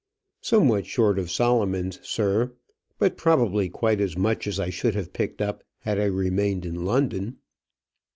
"Somewhat short of Solomon's, sir; but probably quite as much as I should have picked up had I remained in London."